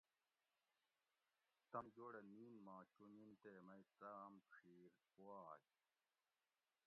تام تانی جوڑہ نین ما چونجین تے مئ تام ڄھیر پواۤگ